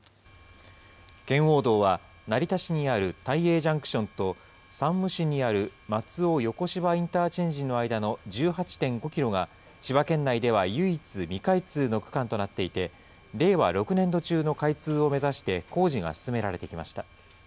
圏央道は、成田市にある大栄ジャンクションと、山武市にある松尾横芝インターチェンジの間の１８．５キロが、千葉県内では唯一、未開通の区間となっていて、令和６年度中の開通を目指して工事が進められてきました。